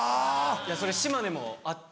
それ島根もあって。